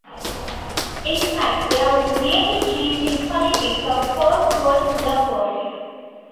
In fact, there was a major change in politics of post-war Singapore.